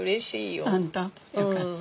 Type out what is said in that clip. よかった。